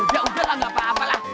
udah udah lah gak apa apa lah